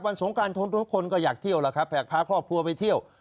สงการทนทุกคนก็อยากเที่ยวแล้วครับแขกพาครอบครัวไปเที่ยว